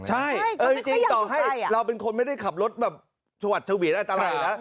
ใช่จริงต่อให้เราเป็นคนไม่ได้ขับรถแบบชวัดชวีนอันตรายนะ